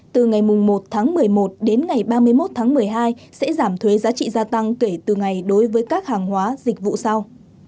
từ ngày một tháng một mươi một đến ngày ba mươi một tháng một mươi hai sẽ giảm thuế giá trị gia tăng kể từ ngày đối với các hàng hóa dịch vụ sau